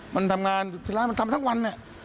มันทำงานทั้งวัน